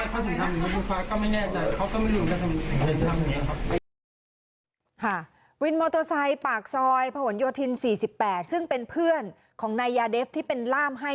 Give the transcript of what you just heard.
วินมอเตอร์ไซค์ปากซอยผนโยธิน๔๘ซึ่งเป็นเพื่อนของนายยาเดฟที่เป็นล่ามให้